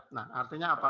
nah artinya apa